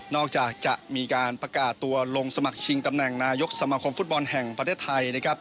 จากจะมีการประกาศตัวลงสมัครชิงตำแหน่งนายกสมาคมฟุตบอลแห่งประเทศไทยนะครับ